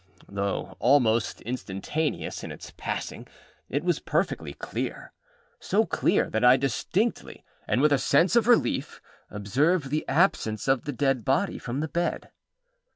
Though almost instantaneous in its passing, it was perfectly clear; so clear that I distinctly, and with a sense of relief, observed the absence of the dead body from the bed.